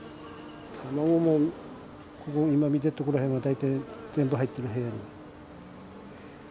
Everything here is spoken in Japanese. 卵もここ今見てるとこら辺が大体全部入ってる部屋。